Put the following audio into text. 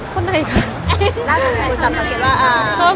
คนไหนคะ